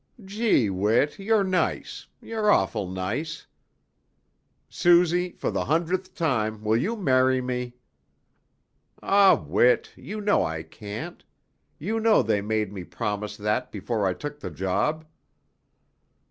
"Gee, Whit, you're nice. You're awful nice." "Suzy, for the hundredth time, will you marry me?" "Aw, Whit, you know I can't. You know they made me promise that before I took the job."